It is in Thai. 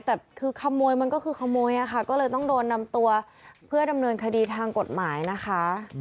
แต่ค่อยเลยต้องดนำตัวเพื่อนำเนินคดีทางกฎหมายนะ